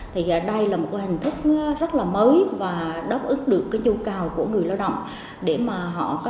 thì đây là một hành thức rất là mới và đáp ước được